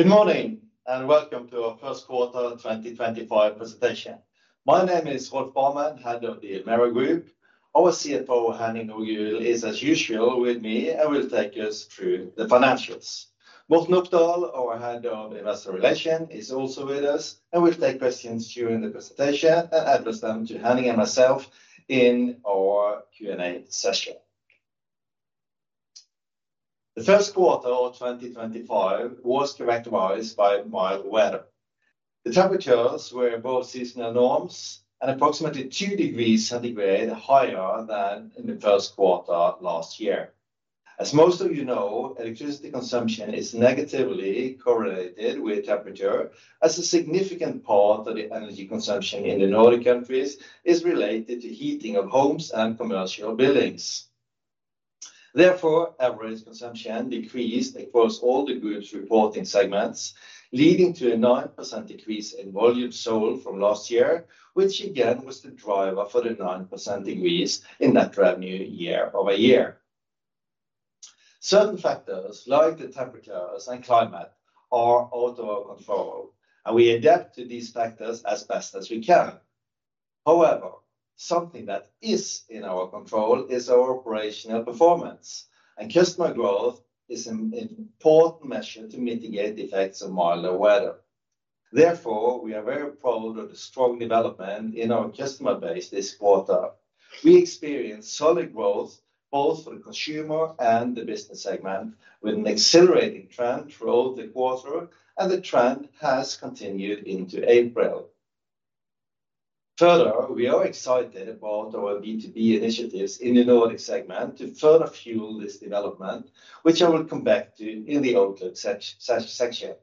Good morning and welcome to our first quarter 2025 presentation. My name is Rolf Barmen, Head of the Elmera Group. Our CFO, Henning Nordgulen, is, as usual, with me and will take us through the financials. Morten Opdal, our Head of Investor Relations, is also with us and will take questions during the presentation and address them to Henning and myself in our Q&A session. The first quarter of 2025 was characterized by mild weather. The temperatures were above seasonal norms and approximately two degrees Celsius higher than in the first quarter last year. As most of you know, electricity consumption is negatively correlated with temperature, as a significant part of the energy consumption in the Nordic countries is related to heating of homes and commercial buildings. Therefore, average consumption decreased across all the goods reporting segments, leading to a 9% decrease in volume sold from last year, which again was the driver for the 9% increase in net revenue year-over-year. Certain factors like the temperatures and climate are out of our control, and we adapt to these factors as best as we can. However, something that is in our control is our operational performance, and customer growth is an important measure to mitigate the effects of milder weather. Therefore, we are very proud of the strong development in our customer base this quarter. We experienced solid growth both for the consumer and the business segment, with an accelerating trend throughout the quarter, and the trend has continued into April. Further, we are excited about our B2B initiatives in the Nordic segment to further fuel this development, which I will come back to in the Outlook section.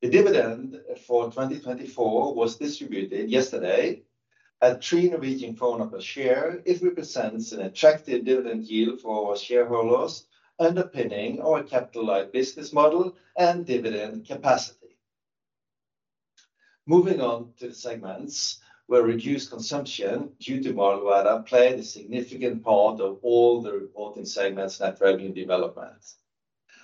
The dividend for 2024 was distributed yesterday at 3.40 per share. It represents an attractive dividend yield for our shareholders underpinning our capital-light business model and dividend capacity. Moving on to the segments where reduced consumption due to mild weather played a significant part of all the reporting segments' net revenue development.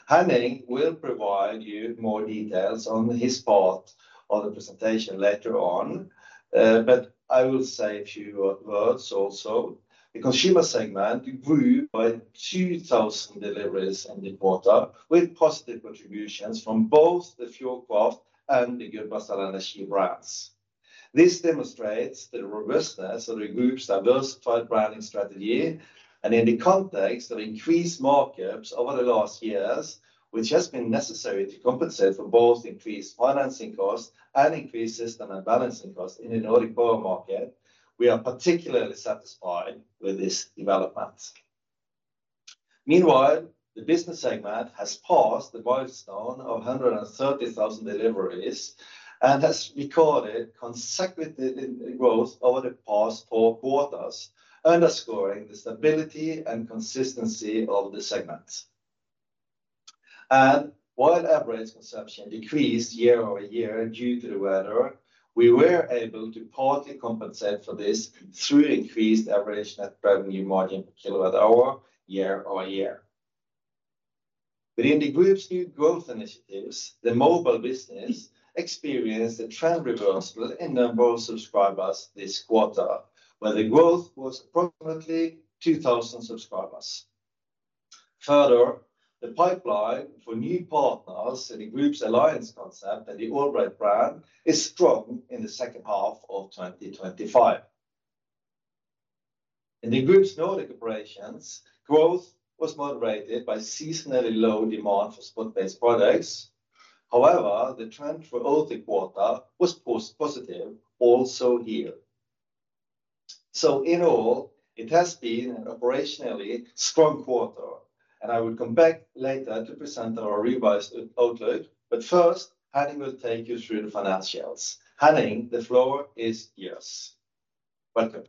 Henning will provide you more details on his part of the presentation later on, but I will say a few words also. The consumer segment grew by 2,000 deliveries in the quarter, with positive contributions from both the Fjordkraft and the Gudbrandsdal Energi brands. This demonstrates the robustness of the group's diversified branding strategy, and in the context of increased markups over the last years, which has been necessary to compensate for both increased financing costs and increased system and balancing costs in the Nordic power market, we are particularly satisfied with this development. Meanwhile, the business segment has passed the milestone of 130,000 deliveries and has recorded consecutive growth over the past four quarters, underscoring the stability and consistency of the segment. While average consumption decreased year-over-year due to the weather, we were able to partly compensate for this through increased average net revenue margin per kilowatt hour year-over-year. Within the group's new growth initiatives, the mobile business experienced a trend reversal in number of subscribers this quarter, where the growth was approximately 2,000 subscribers. Further, the pipeline for new partners in the group's alliance concept and the Allbright brand is strong in the second half of 2025. In the group's Nordic operations, growth was moderated by seasonally low demand for spot-based products. However, the trend for the quarter was positive also here. In all, it has been an operationally strong quarter, and I will come back later to present our revised outlook. First, Henning will take you through the financials. Henning, the floor is yours. Welcome.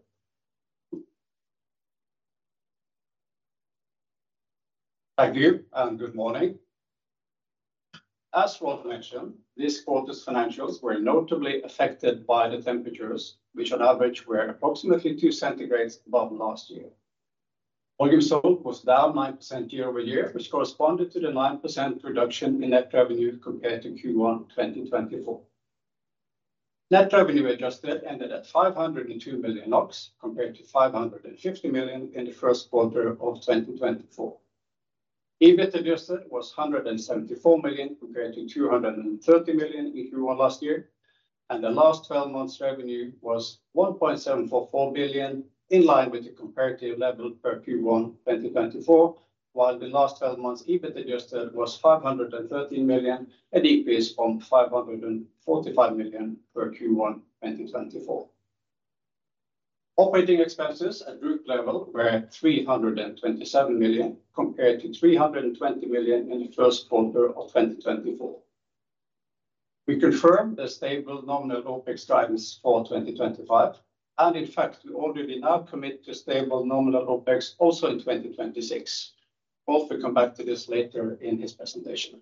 Thank you and good morning. As Rolf mentioned, this quarter's financials were notably affected by the temperatures, which on average were approximately two degrees Celsius above last year. Volume sold was down 9% year-over-year, which corresponded to the 9% reduction in net revenue compared to Q1 2024. Net revenue adjusted ended at 502 million NOK compared to 550 million in the first quarter of 2024. EBIT adjusted was 174 million compared to 230 million in Q1 last year, and the last 12 months' revenue was 1.744 billion, in line with the comparative level per Q1 2024, while the last 12 months' EBIT adjusted was 513 million, a decrease from 545 million per Q1 2024. Operating expenses at group level were 327 million compared to 320 million in the first quarter of 2024. We confirm the stable nominal OpEx drives for 2025, and in fact, we already now commit to stable nominal OpEx also in 2026. Rolf will come back to this later in his presentation.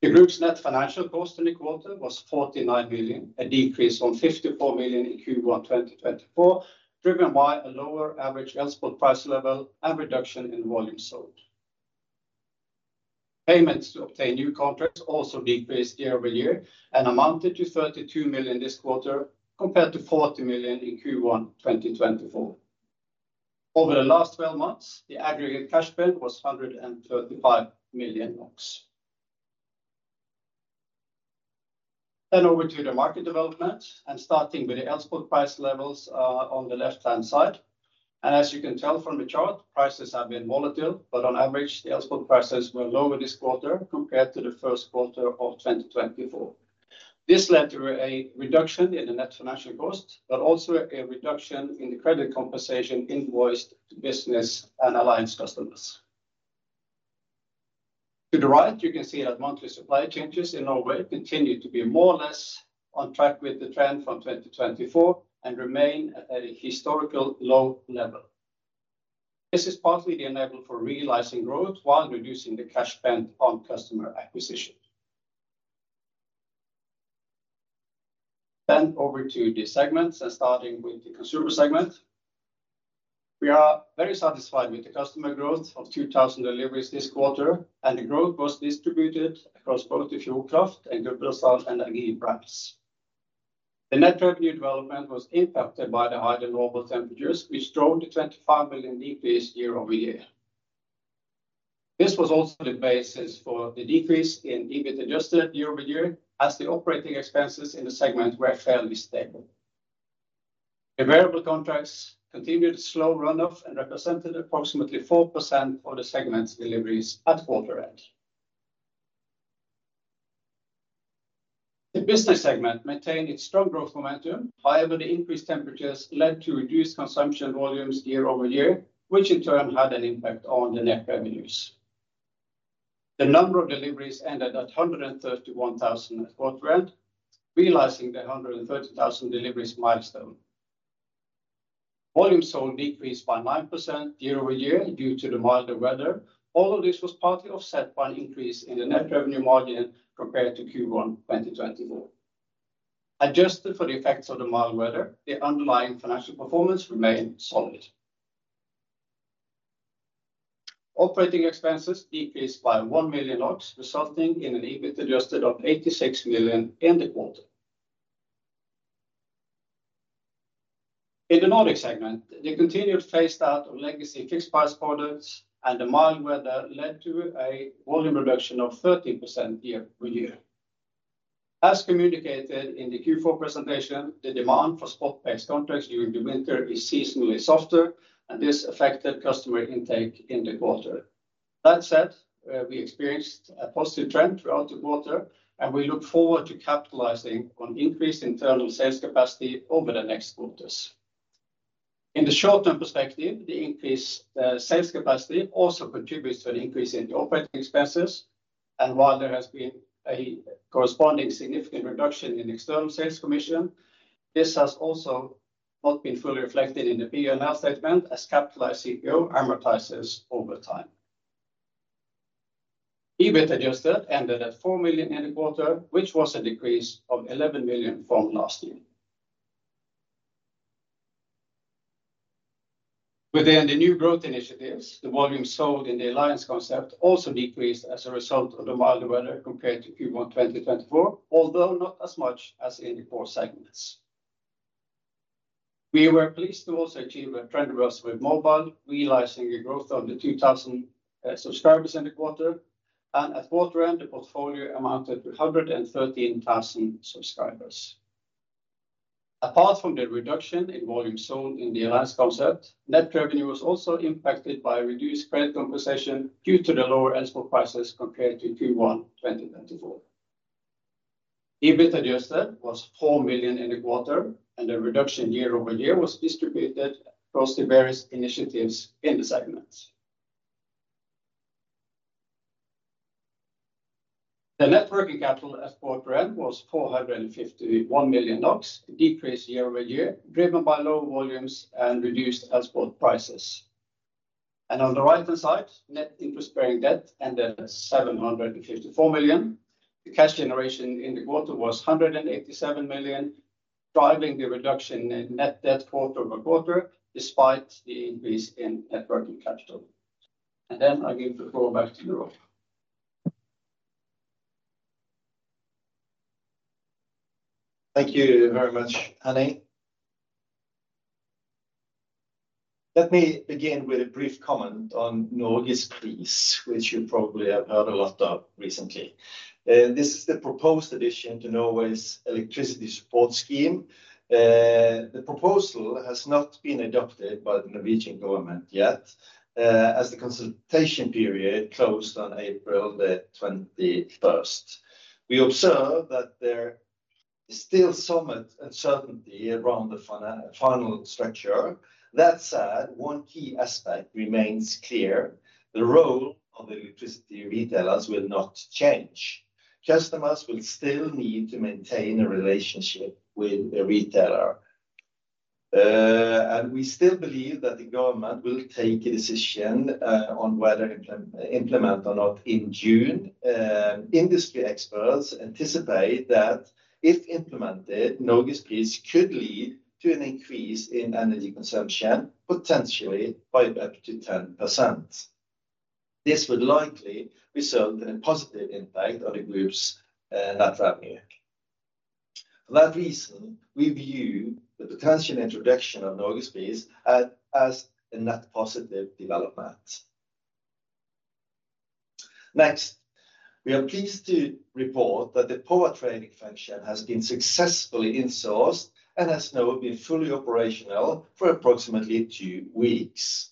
The group's net financial cost in the quarter was 49 million, a decrease from 54 million in Q1 2024, driven by a lower average elspot price level and reduction in volume sold. Payments to obtain new contracts also decreased year-over-year and amounted to 32 million this quarter compared to 40 million in Q1 2024. Over the last 12 months, the aggregate cash bill was 135 million NOK. Over to the market development, starting with the elspot price levels on the left-hand side. As you can tell from the chart, prices have been volatile, but on average, the elspot prices were lower this quarter compared to the first quarter of 2024. This led to a reduction in the net financial cost, but also a reduction in the credit compensation invoiced to business and alliance customers. To the right, you can see that monthly supply changes in Norway continue to be more or less on track with the trend from 2024 and remain at a historical low level. This is partly the enabler for realizing growth while reducing the cash spent on customer acquisition. Over to the segments and starting with the consumer segment. We are very satisfied with the customer growth of 2,000 deliveries this quarter, and the growth was distributed across both the Fjordkraft and Gudbrandsdal Energi brands. The net revenue development was impacted by the higher normal temperatures, which drove the 25 million increase year-over-year. This was also the basis for the decrease in EBIT adjusted year-over-year, as the operating expenses in the segment were fairly stable. The variable contracts continued slow run-off and represented approximately 4% of the segment's deliveries at quarter-end. The business segment maintained its strong growth momentum, however, the increased temperatures led to reduced consumption volumes year-over-year, which in turn had an impact on the net revenues. The number of deliveries ended at 131,000 at quarter-end, realizing the 130,000 deliveries milestone. Volume sold decreased by 9% year-over-year due to the milder weather, although this was partly offset by an increase in the net revenue margin compared to Q1 2024. Adjusted for the effects of the mild weather, the underlying financial performance remained solid. Operating expenses decreased by 1 million, resulting in an EBIT adjusted of 86 million in the quarter. In the Nordic segment, the continued phase-out of legacy fixed price products and the mild weather led to a volume reduction of 13% year-over-year. As communicated in the Q4 presentation, the demand for spot-based contracts during the winter is seasonally softer, and this affected customer intake in the quarter. That said, we experienced a positive trend throughout the quarter, and we look forward to capitalizing on increased internal sales capacity over the next quarters. In the short-term perspective, the increased sales capacity also contributes to an increase in the operating expenses, and while there has been a corresponding significant reduction in external sales commission, this has also not been fully reflected in the P&L statement, as Capitalis CPO amortizes over time. EBIT adjusted ended at 4 million in the quarter, which was a decrease of 11 million from last year. Within the new growth initiatives, the volume sold in the alliance concept also decreased as a result of the milder weather compared to Q1 2024, although not as much as in the four segments. We were pleased to also achieve a trend reversal with mobile, realising a growth of 2,000 subscribers in the quarter, and at quarter-end, the portfolio amounted to 113,000 subscribers. Apart from the reduction in volume sold in the alliance concept, net revenue was also impacted by reduced credit compensation due to the lower eligible prices compared to Q1 2024. EBIT adjusted was 4 million in the quarter, and the reduction year-over-year was distributed across the various initiatives in the segment. The net working capital at quarter-end was NOK 451 million, a decrease year-over-year, driven by low volumes and reduced eligible prices. On the right-hand side, net interest-bearing debt ended at 754 million. The cash generation in the quarter was 187 million, driving the reduction in net debt quarter over quarter, despite the increase in net working capital. I'll give the floor back to Rolf. Thank you very much, Henning. Let me begin with a brief comment on Norges Pris, which you probably have heard a lot of recently. This is the proposed addition to Norway's electricity support scheme. The proposal has not been adopted by the Norwegian government yet, as the consultation period closed on April 21. We observe that there is still somewhat uncertainty around the final structure. That said, one key aspect remains clear: the role of electricity retailers will not change. Customers will still need to maintain a relationship with the retailer. We still believe that the government will take a decision on whether to implement or not in June. Industry experts anticipate that if implemented, Norges Pris could lead to an increase in energy consumption, potentially by up to 10%. This would likely result in a positive impact on the group's net revenue. For that reason, we view the potential introduction of Norges Pris as a net positive development. Next, we are pleased to report that the power trading function has been successfully insourced and has now been fully operational for approximately two weeks.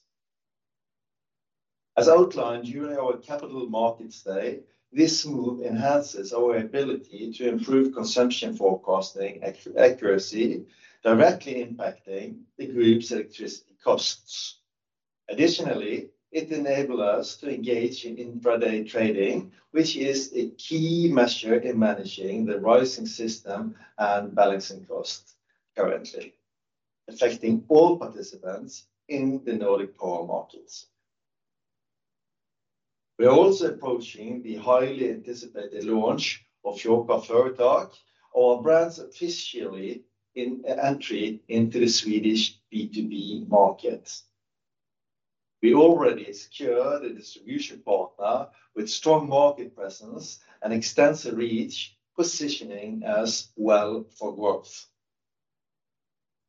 As outlined during our capital markets day, this move enhances our ability to improve consumption forecasting accuracy, directly impacting the group's electricity costs. Additionally, it enables us to engage in intraday trading, which is a key measure in managing the rising system and balancing costs currently, affecting all participants in the Nordic power markets. We are also approaching the highly anticipated launch of Fuelcraft Eurotrac, our brand's official entry into the Swedish B2B market. We already secured a distribution partner with strong market presence and extensive reach, positioning us well for growth.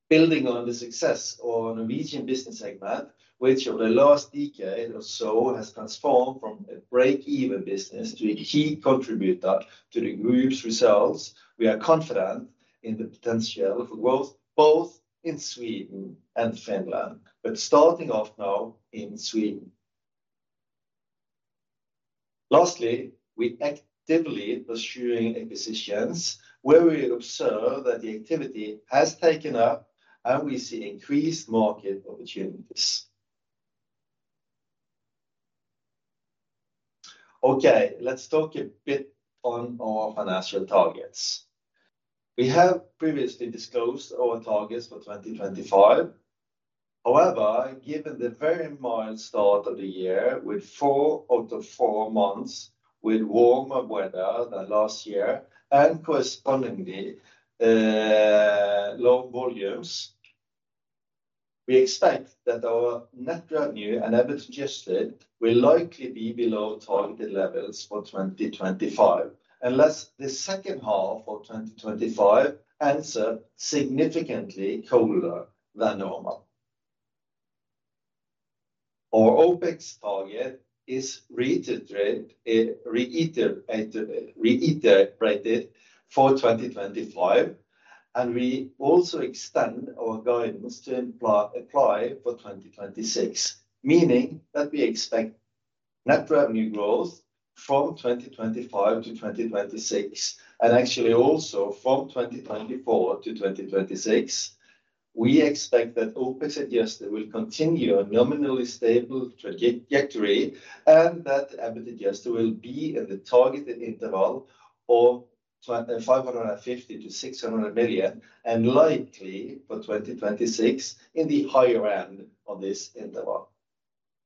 Building on the success of the Norwegian business segment, which over the last decade or so has transformed from a break-even business to a key contributor to the group's results, we are confident in the potential for growth both in Sweden and Finland, but starting off now in Sweden. Lastly, we are actively pursuing acquisitions, where we observe that the activity has taken up and we see increased market opportunities. Okay, let's talk a bit on our financial targets. We have previously disclosed our targets for 2025. However, given the very mild start of the year, with four out of four months with warmer weather than last year and correspondingly low volumes, we expect that our net revenue and EBIT adjusted will likely be below targeted levels for 2025, unless the second half of 2025 ends up significantly colder than normal. Our OpEx target is reiterated for 2025, and we also extend our guidance to apply for 2026, meaning that we expect net revenue growth from 2025 to 2026, and actually also from 2024 to 2026. We expect that OpEx adjusted will continue a nominally stable trajectory and that EBIT adjusted will be in the targeted interval of 550 million-600 million and likely for 2026 in the higher end of this interval.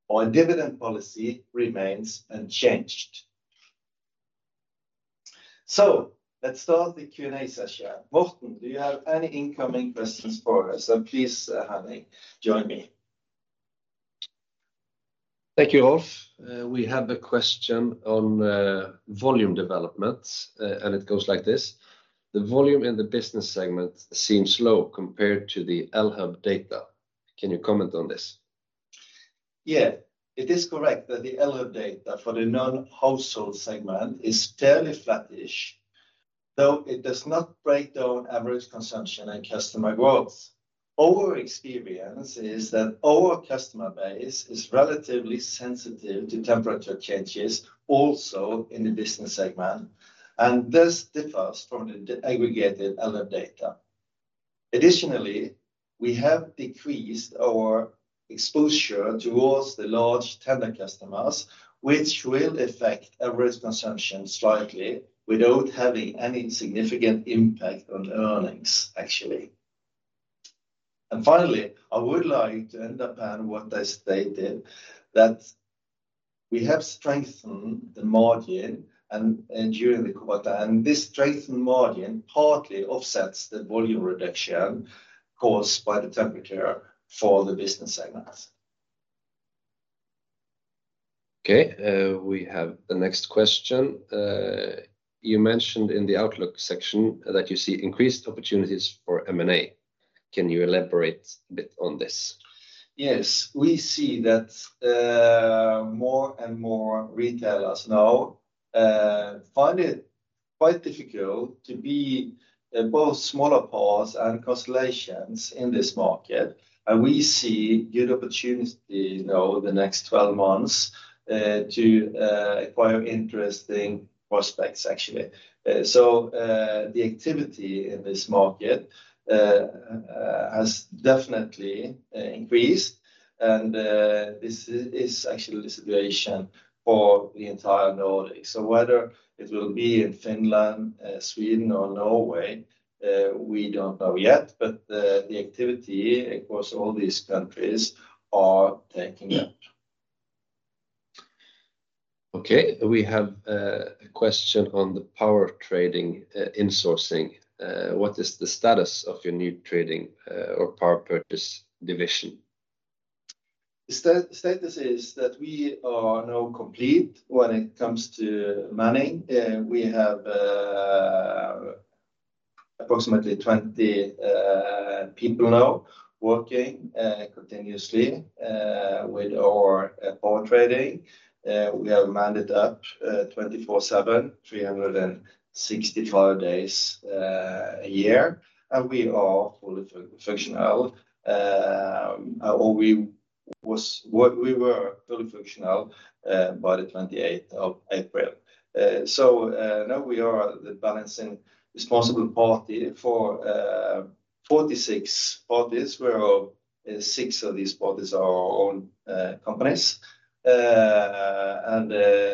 Our dividend policy remains unchanged. Let's start the Q&A session. Morten, do you have any incoming questions for us? Please, Henning, join me. Thank you, Rolf. We have a question on volume development, and it goes like this: The volume in the business segment seems low compared to the Elmera data. Can you comment on this? Yeah, it is correct that the Elmera data for the non-household segment is fairly flattish, though it does not break down average consumption and customer growth. Our experience is that our customer base is relatively sensitive to temperature changes also in the business segment, and this differs from the aggregated Elmera data. Additionally, we have decreased our exposure towards the large tender customers, which will affect average consumption slightly without having any significant impact on earnings, actually. Finally, I would like to end up on what I stated, that we have strengthened the margin during the quarter, and this strengthened margin partly offsets the volume reduction caused by the temperature for the business segments. Okay, we have the next question. You mentioned in the Outlook section that you see increased opportunities for M&A. Can you elaborate a bit on this? Yes, we see that more and more retailers now find it quite difficult to be both smaller parts and constellations in this market, and we see good opportunity now the next 12 months to acquire interesting prospects, actually. The activity in this market has definitely increased, and this is actually the situation for the entire Nordics. Whether it will be in Finland, Sweden, or Norway, we don't know yet, but the activity across all these countries is taking up. Okay, we have a question on the power trading insourcing. What is the status of your new trading or power purchase division? The status is that we are now complete when it comes to manning. We have approximately 20 people now working continuously with our power trading. We have manned it up 24/7, 365 days a year, and we are fully functional. We were fully functional by the 28th of April. Now we are the balancing responsible party for 46 parties, where six of these parties are our own companies.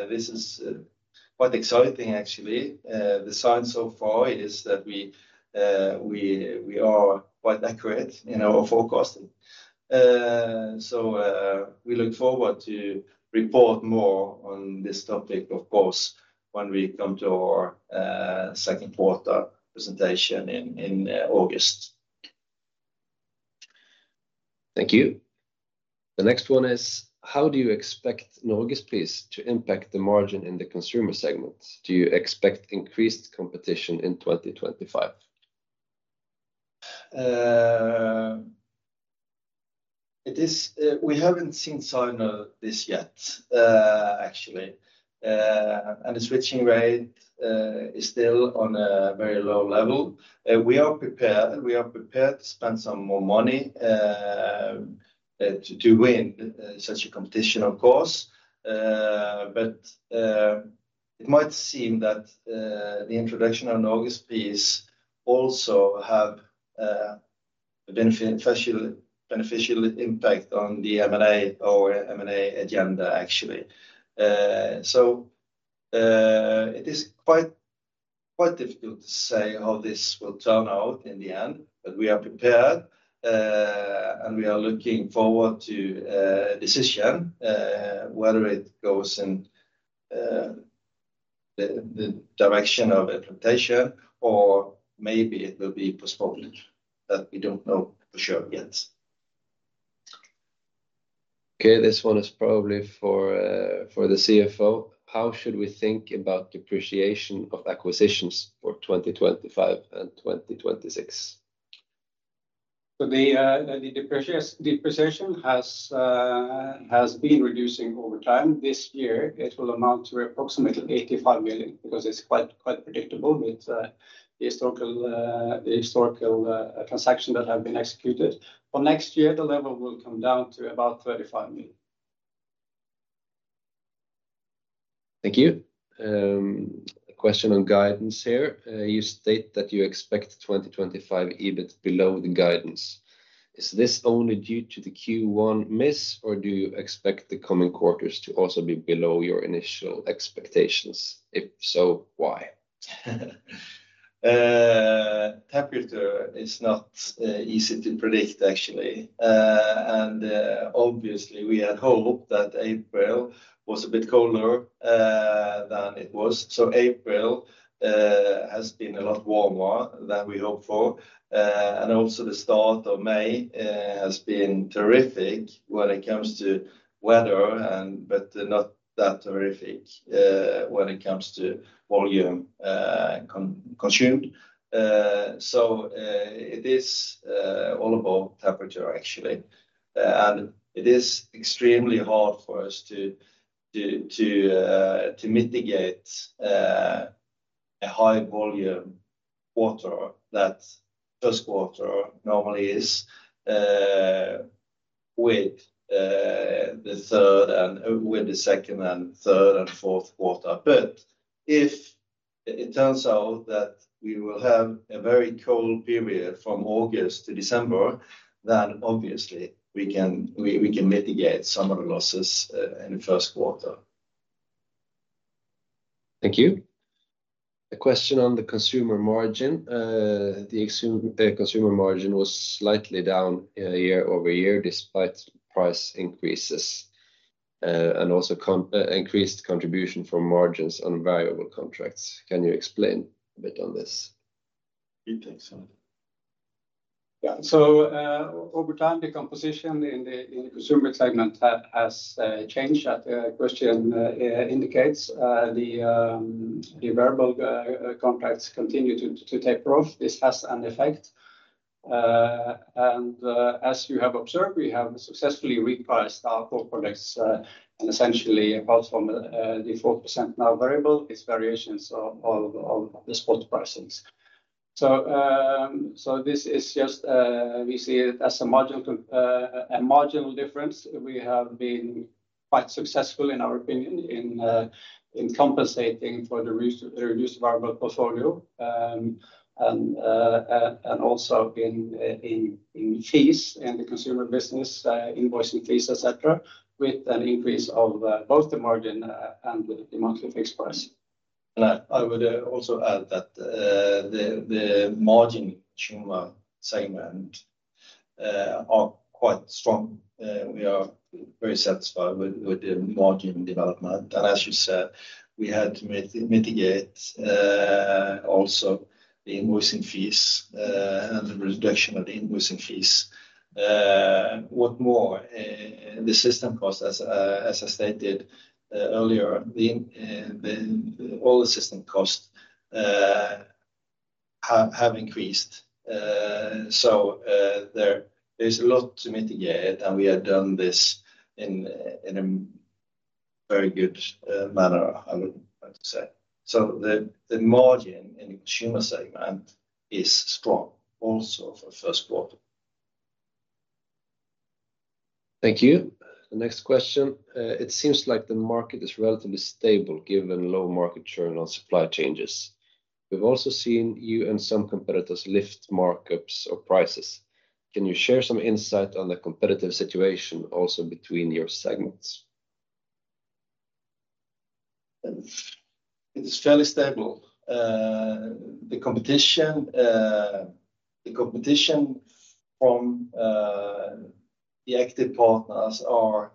This is quite exciting, actually. The sign so far is that we are quite accurate in our forecasting. We look forward to reporting more on this topic, of course, when we come to our second quarter presentation in August. Thank you. The next one is: How do you expect Norges Pris to impact the margin in the consumer segment? Do you expect increased competition in 2025? It is, we haven't seen signals this yet, actually, and the switching rate is still on a very low level. We are prepared, and we are prepared to spend some more money to win such a competition, of course. It might seem that the introduction of Norges Pris also has a beneficial impact on the M&A agenda, actually. It is quite difficult to say how this will turn out in the end, but we are prepared, and we are looking forward to a decision whether it goes in the direction of implementation or maybe it will be postponed, but we don't know for sure yet. Okay, this one is probably for the CFO. How should we think about depreciation of acquisitions for 2025 and 2026? The depreciation has been reducing over time. This year, it will amount to approximately 85 million because it's quite predictable with the historical transactions that have been executed. For next year, the level will come down to about 35 million. Thank you. A question on guidance here. You state that you expect 2025 EBIT below the guidance. Is this only due to the Q1 miss, or do you expect the coming quarters to also be below your initial expectations? If so, why? Temperature is not easy to predict, actually. Obviously, we had hope that April was a bit colder than it was. April has been a lot warmer than we hoped for. Also, the start of May has been terrific when it comes to weather, but not that terrific when it comes to volume consumed. It is all about temperature, actually. It is extremely hard for us to mitigate a high-volume quarter that first quarter normally is with the second and third and fourth quarter. If it turns out that we will have a very cold period from August to December, then obviously we can mitigate some of the losses in the first quarter. Thank you. A question on the consumer margin. The consumer margin was slightly down year-over-year despite price increases and also increased contribution from margins on variable contracts. Can you explain a bit on this? Yeah, over time, the composition in the consumer segment has changed, as the question indicates. The variable contracts continue to take off. This has an effect. As you have observed, we have successfully repriced our corporate products, and essentially apart from the 4% now variable, it is variations of the spot pricing. This is just, we see it as a marginal difference. We have been quite successful, in our opinion, in compensating for the reduced variable portfolio and also in fees in the consumer business, invoicing fees, etc., with an increase of both the margin and the monthly fixed price. I would also add that the margin consumer segment are quite strong. We are very satisfied with the margin development. As you said, we had to mitigate also the invoicing fees and the reduction of the invoicing fees. What is more, the system costs, as I stated earlier, all the system costs have increased. There is a lot to mitigate, and we have done this in a very good manner, I would say. The margin in the consumer segment is strong also for the first quarter. Thank you. The next question. It seems like the market is relatively stable given low market share on supply changes. We've also seen you and some competitors lift markups or prices. Can you share some insight on the competitive situation also between your segments? It is fairly stable. The competition from the active partners are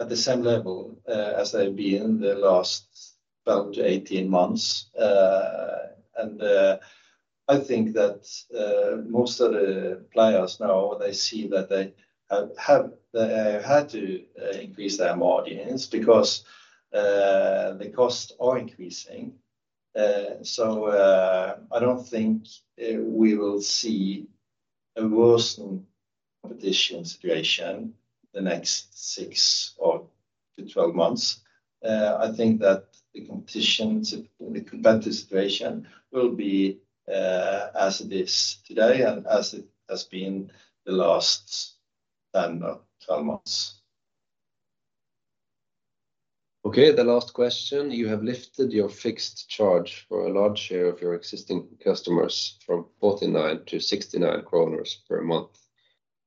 at the same level as they've been the last 12-18 months. I think that most of the players now, they see that they have had to increase their margins because the costs are increasing. I don't think we will see a worsened competition situation the next six-12 months. I think that the competition, the competitive situation will be as it is today and as it has been the last 10 or 12 months. Okay, the last question. You have lifted your fixed charge for a large share of your existing customers from 49 to 69 kroner per month.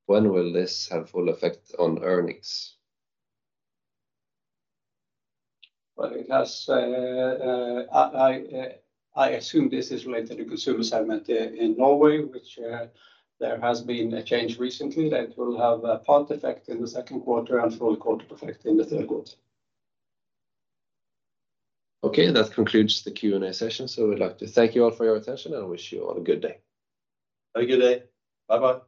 When will this have full effect on earnings? I assume this is related to the consumer segment in Norway, which there has been a change recently that will have a part effect in the second quarter and full quarter effect in the third quarter. Okay, that concludes the Q&A session. We would like to thank you all for your attention and wish you all a good day. Have a good day. Bye-bye.